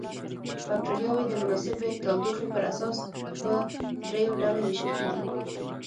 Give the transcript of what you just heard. بکټریاوې د مناسبې تودوخې پر اساس په دریو ډلو ویشل کیږي.